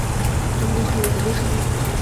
তিনি বেশ নিরাপদেই ছিলেন।